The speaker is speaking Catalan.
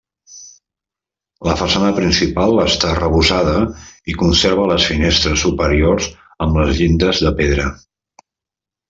La façana principal està arrebossada i conserva les finestres superiors amb les llindes de pedra.